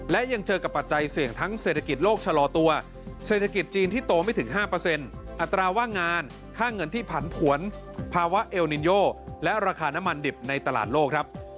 และยังเจอกับปัจจัยเสี่ยงทั้งเศรษฐกิจโลกชะลอตัวเศรษฐกิจจีนที่โตไม่ถึง๕อัตราว่างงานค่าเงินที่ผันผวนภาวะเอลนินโยและราคาน้ำมันดิบในตลาดโลกครับ